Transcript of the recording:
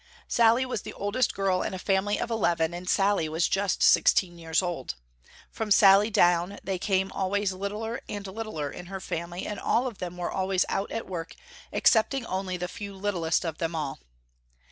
Sallie was the oldest girl in a family of eleven and Sallie was just sixteen years old. From Sallie down they came always littler and littler in her family, and all of them were always out at work excepting only the few littlest of them all.